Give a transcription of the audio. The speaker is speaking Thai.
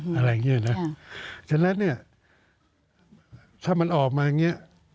อะไรอย่างเงี้ยนะฉะนั้นเนี่ยถ้ามันออกมาอย่างเงี้ย